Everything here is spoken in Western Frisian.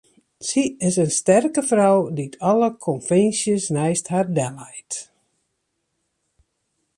Sy is in sterke frou dy't alle konvinsjes neist har delleit.